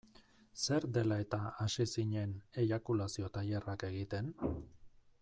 Zer dela-eta hasi zinen eiakulazio-tailerrak egiten?